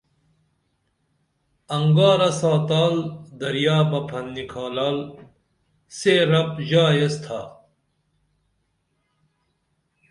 انگارہ ساتال دریابہ پھن نِکھالال سے رب ژا ایس تھا